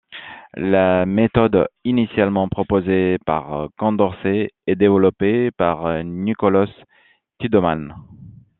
La méthode initialement proposée par Condorcet est développée par Nicolaus Tideman.